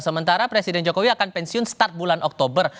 sementara presiden jokowi akan pensiun start bulan oktober